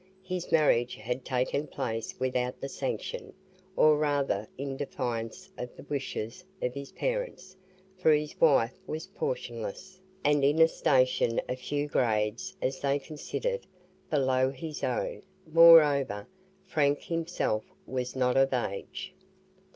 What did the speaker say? His marriage had taken place without the sanction or rather in defiance of the wishes of his parents, for his wife was portionless, and in a station a few grades, as they considered, below his own; moreover, Frank himself was not of age.